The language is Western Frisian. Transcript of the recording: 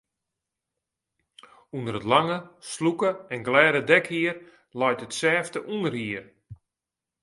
Under it lange, slûke en glêde dekhier leit it sêfte ûnderhier.